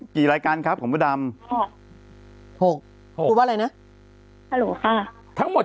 กี่รายการครับของพระดำหกหกหกพูดว่าอะไรนะฮัลโหลห้าทั้งหมด